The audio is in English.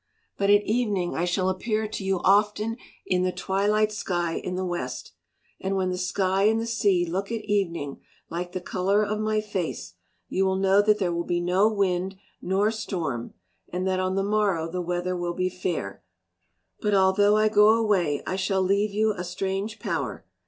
But at evening I shall appear to you often in the twilight sky in the west. And when the sky and the sea look at evening like the colour of my face, you will know that there will be no wind nor storm and that on the morrow the weather will be fair. But although I go away, I shall leave you a strange power.